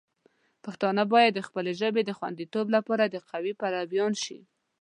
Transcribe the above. پښتانه باید د خپلې ژبې د خوندیتوب لپاره د قوی پلویان شي.